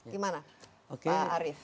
gimana pak arief